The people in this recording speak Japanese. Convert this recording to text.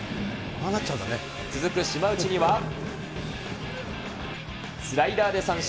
続く島内には、スライダーで三振。